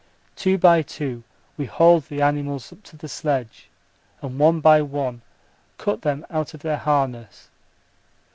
Two by two we hauled the animals up to the sledge and one by one cut them out of their harness.